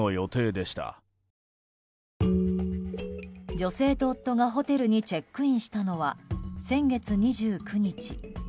女性と夫がホテルにチェックインしたのは先月２９日。